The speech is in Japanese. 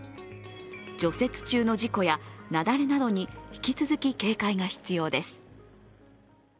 除雪中の事故や雪崩などに引き続き警戒が必要です。